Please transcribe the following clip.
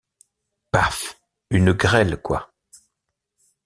Paf... une grêle, quoi!